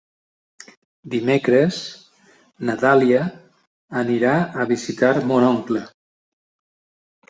Dimecres na Dàlia anirà a visitar mon oncle.